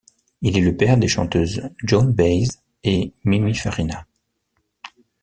Il est le père des chanteuses Joan Baez et Mimi Fariña.